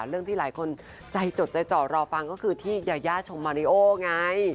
เรื่องที่หลายคนใจจดใจจ่อรอฟังก็คือที่ยายาชมมาริโอไง